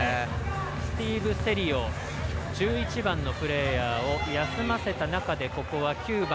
スティーブ・セリオ１１番のプレーヤーを休ませた中で９番。